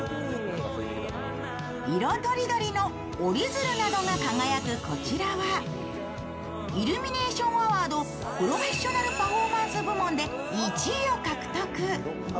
色とりどりの折り鶴などが輝くこちらは、イルミネーションアワード・プロフェッショナルパフォーマンス部門で１位を獲得。